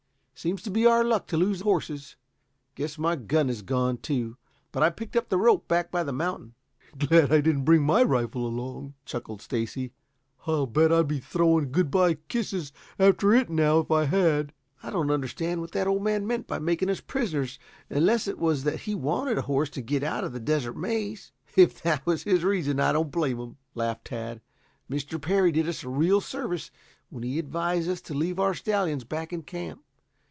Seems to be our luck to lose horses. Guess my gun has gone, too, but I picked up the rope back by the mountain." "Glad I didn't bring my rifle along," chuckled Stacy. "I'll bet I'd be throwing good bye kisses after it now if I had." "I don't understand what that old man meant by making us prisoners unless it was that he wanted a horse to get out of the Desert Maze. If that was his reason, I don't blame him," laughed Tad. "Mr. Parry did us a real service when he advised us to leave our stallions back in camp.